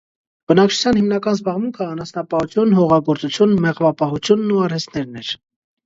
Բնակչության հիմնական զբաղմունքը անասնապահություն, հողագործություն, մեղվապահությունն ու արհեստներն էր։